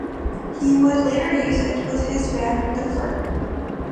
He would later use it with his band The Firm.